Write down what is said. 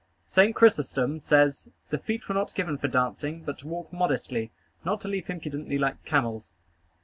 St. Chrysostom says: "The feet were not given for dancing, but to walk modestly; not to leap impudently like camels."